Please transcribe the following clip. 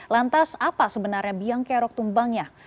lantas apa sebenarnya biang kerok tumbangnya